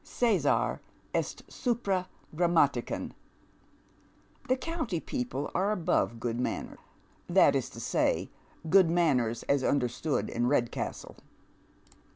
Casar est supra grammaticam. The county people are above good manners — that is to say, good manners as understood in Redcastle.